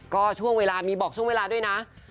ก็ช่วงเวลามีบอกช่วงเวลาด้วยนะ